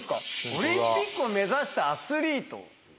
オリンピックを目指したアスリート？